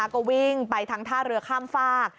ก็วิ่งไปทางท่าเรือข้ามฝาก